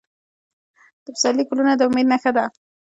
د پسرلي ګلونه د امید نښه ده.